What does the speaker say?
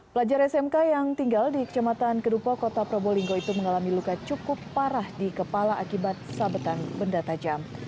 pelajar smk yang tinggal di kecamatan kedupo kota probolinggo itu mengalami luka cukup parah di kepala akibat sabetan benda tajam